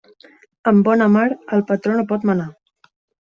Amb bona mar, el patró no pot manar.